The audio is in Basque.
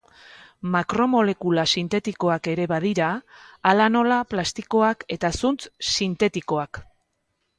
Makromolekula sintetikoak ere badira, hala nola plastikoak eta zuntz sintetikoak.